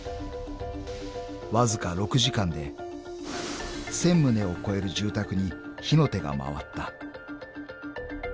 ［わずか６時間で１，０００棟を超える住宅に火の手が回った］